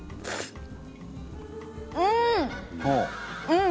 うん！